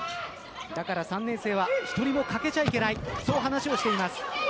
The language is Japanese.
だから３年生は１人も欠けちゃいけないそう話をしています。